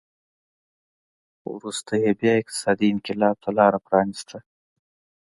وروسته یې بیا اقتصادي انقلاب ته لار پرانېسته